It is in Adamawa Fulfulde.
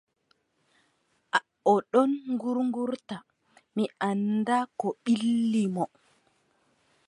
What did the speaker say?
O ɗon ŋuurŋuurta, mi anndaa Ko ɓilli mo.